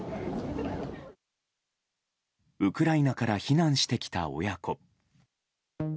ウクライナから避難してきた親子。